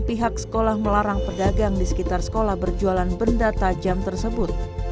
pihak sekolah melarang pedagang di sekitar sekolah berjualan benda tajam tersebut